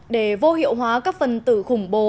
để vô hiệu hóa các phần tử khủng bố